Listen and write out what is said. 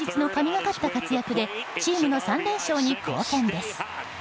連日の神がかった活躍でチームの３連勝に貢献です。